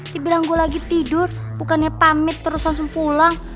dibilang gue lagi tidur bukannya pamit terus langsung pulang